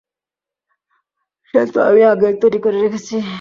সে তো আমি আগেই তৈরি করে রেখেছি।